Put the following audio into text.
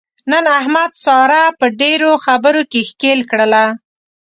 نن احمد ساره په ډېرو خبرو کې ښکېل کړله.